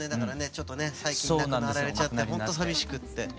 ちょっとね最近亡くなられちゃってほんと寂しくって。